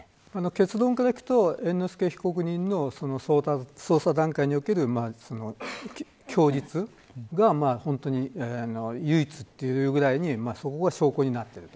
結論からいくと猿之助被告の捜査段階における供述が本当に唯一というぐらいにそこが証拠になっている。